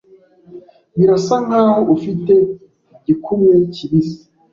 Birasa nkaho ufite igikumwe kibisi.